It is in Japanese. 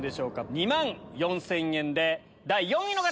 ２万４０００円で第４位の方！